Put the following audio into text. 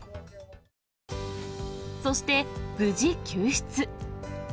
そして、無事救出。